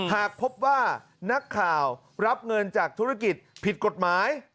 หากพบว่านักข่าวรับเงินจากธุรกิจผิดกฎหมาย